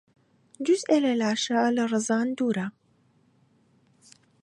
جوزئێ لە لاشە لە ڕزان دوورە